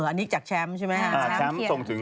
อันนี้จากแชมป์ใช่ไหมครับ